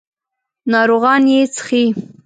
ناروغان یې څښي.